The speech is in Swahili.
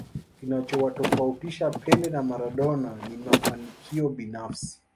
kinachowatofautisha pele na maradona ni mafanikio binafsi